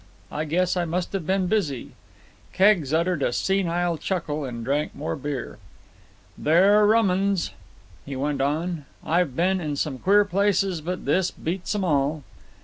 Guess I must have been busy." Keggs uttered a senile chuckle and drank more beer. "They're rum uns," he went on. "I've been in some queer places, but this beats 'em all."